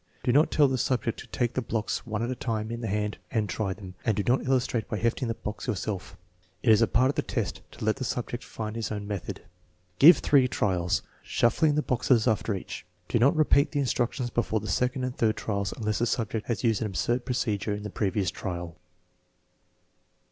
Do not tell the subject to take the blocks one at a time in the hand and try them, and do not illustrate by hefting the blocks your TEST NO. IX, % 037 self. It is a part of the test to let the subject find his own method. Give three trials, shuffling the boxes after each. Do not repeat the instructions before the second and third trials unless the subject has used an absurd procedure in the previous trial.